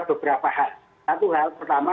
beberapa hal satu hal pertama